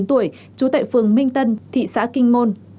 trú tại phường minh tân thị xã kinh môn